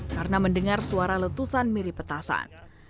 karena mendengar suara letusan mirip petasan